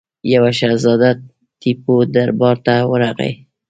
یوه شهزاده ټیپو دربار ته ورغی.